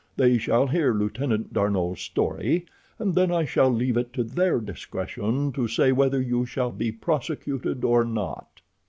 They shall hear Lieutenant D'Arnot's story, and then I shall leave it to their discretion to say whether you shall be prosecuted or not.